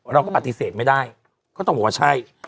เราก็ปฏิเสธไม่ได้ก็ต้องบอกว่าใช่